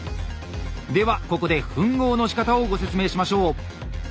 ではここで吻合のしかたをご説明しましょう。